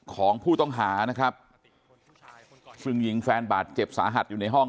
ของผู้ต้องหานะครับซึ่งยิงแฟนบาดเจ็บสาหัสอยู่ในห้อง